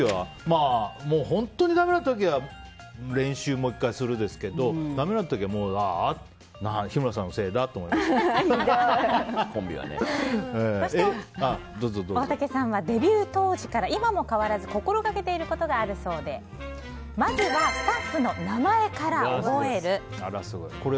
本当にだめな時は練習をもう１回しますけどだめな時は大竹さんはデビュー当時から今も変わらず心がけていることがあるそうでまずはスタッフの名前から覚える。